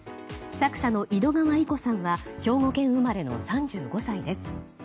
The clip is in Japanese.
作者の井戸川射子さんは兵庫県生まれの３５歳です。